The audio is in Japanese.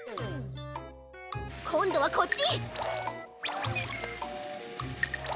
こんどはこっち！